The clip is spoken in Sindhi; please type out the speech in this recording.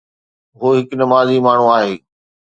هو هڪ نمازي ماڻهو آهي